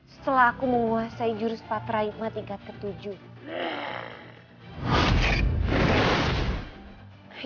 setelah aku menguasai jurus patraikma tingkat ketujuh